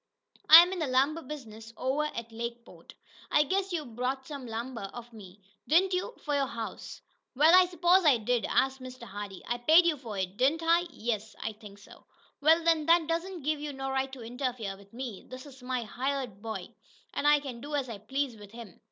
"I'm in the lumber business over at Lakeport. I guess you bought some lumber of me, didn't you, for your house." "Wa'al, s'posin' I did?" asked Mr. Hardee. "I paid you for it, didn't I?" "Yes, I think so." "Wa'al, then that don't give you no right to interfere with me! This is my hired boy, an' I can do as I please with him."